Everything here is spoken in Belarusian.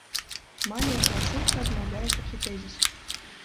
Малер рашуча адмаўляе такі тэзіс.